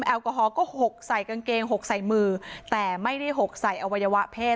แอลกอฮอลก็หกใส่กางเกงหกใส่มือแต่ไม่ได้หกใส่อวัยวะเพศ